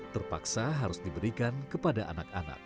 terpaksa harus diberikan kepada anak anak